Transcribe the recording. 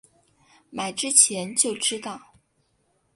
买之前就知道